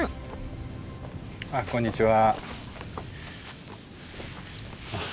あこんにちは。